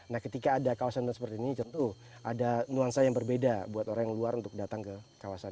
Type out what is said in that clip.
nah ketika ada kawasan seperti ini tentu ada nuansa yang berbeda buat orang yang luar untuk datang ke kawasan